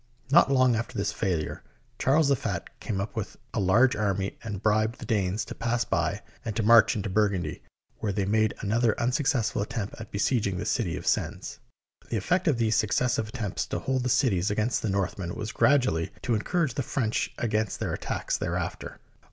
Not long after this failure, Charles the Fat came up with a large army and bribed the Danes to pass by and to march into Burgundy, where they made another unsuccessful attempt at besieging the city of Sens. The effect of these successive attempts to hold cit ies against the Northmen was gradually to encour age the French against their attacks thereafter.